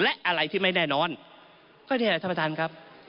และอะไรที่ไม่แน่นอนก็นี่แหละท่านประธานครับ